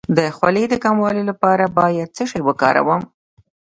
د خولې د کمولو لپاره باید څه شی وکاروم؟